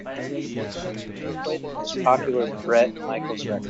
play the most popular Bret Michaels record